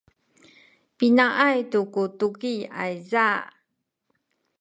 pinaay tu ku tuki ayza?